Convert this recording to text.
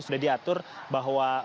sudah diatur bahwa